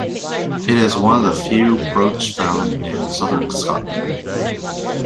It is one of very few brochs found in southern Scotland.